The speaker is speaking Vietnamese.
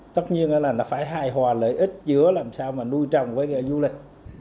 tất nhiên là nó phải hài hòa lợi ích chứa làm sao mà nuôi trồng với người du lịch